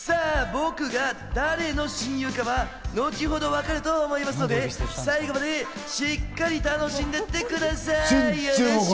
僕が誰の親友かは後ほど分かると思いますので、最後までしっかり楽しんでってください。